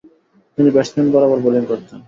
তিনি ব্যাটসম্যান বরাবর বোলিং করতেন।